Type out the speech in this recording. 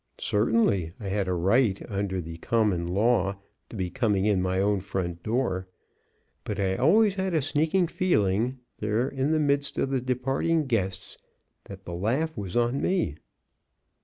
Certainly I had a right, under the Common Law, to be coming in my own front door, but I always had a sneaking feeling, there in the midst of the departing guests, that the laugh was on me.